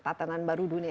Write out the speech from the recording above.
tata nan baru dunia ini